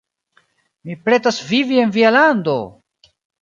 Mi pretas vivi en via lando!